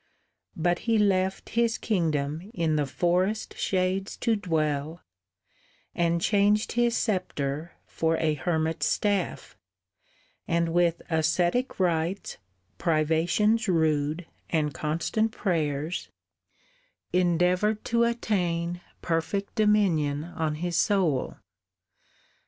But he left His kingdom in the forest shades to dwell, And changed his sceptre for a hermit's staff, And with ascetic rites, privations rude, And constant prayers, endeavoured to attain Perfect dominion on his soul.